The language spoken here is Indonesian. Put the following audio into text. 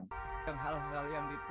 hal hal yang diperhatikan